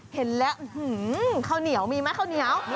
เห็นแล้วข้าวเหนียวมีไหมข้าวเหนียว